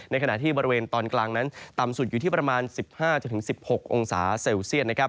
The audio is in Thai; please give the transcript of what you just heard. ขณะที่บริเวณตอนกลางนั้นต่ำสุดอยู่ที่ประมาณ๑๕๑๖องศาเซลเซียตนะครับ